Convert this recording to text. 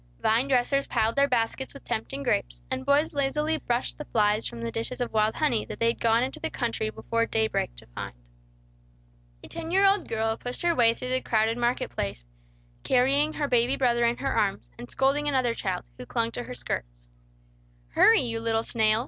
Vine dressers piled their baskets with tempting grapes, and boys lazily brushed the flies from the dishes of wild honey, that they had gone into the country before day break to find. A ten year old girl pushed her way through the crowded market place, carrying her baby brother in her arms, and scolding another child, who clung to her skirts. "Hurry, you little snail!"